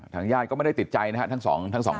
ทางญาติก็ไม่ได้ติดใจนะฮะทั้งสองศพ